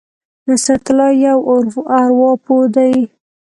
نصرت الله یو ارواپوه دی.